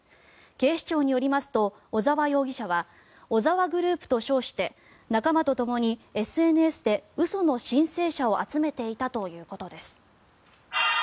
警視庁によりますと小澤容疑者は小澤グループと称して仲間とともにＳＮＳで嘘の申請者を集めていたということです。